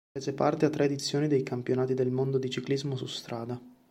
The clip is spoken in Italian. Prese parte a tre edizioni dei Campionati del mondo di ciclismo su strada.